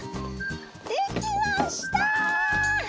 できました！